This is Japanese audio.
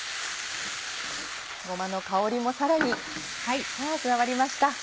ごまの香りもさらに加わりました。